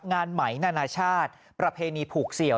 งานไหมนานาชาติประเพณีผูกเสี่ยว